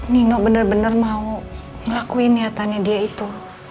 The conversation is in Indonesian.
nino benar benar mau ngelakuin niatannya dia itu